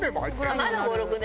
まだ５６年？